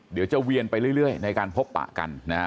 เดี๋ยวจะเวียนไปเรื่อยในการพบปะกันนะฮะ